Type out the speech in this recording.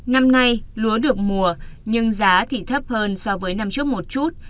năm nay lúa được mùa nhưng giá thì thấp hơn so với năm trước một chút